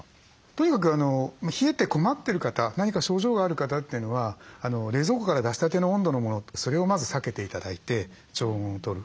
とにかく冷えて困ってる方何か症状がある方っていうのは冷蔵庫から出したての温度のものそれをまず避けて頂いて常温をとる。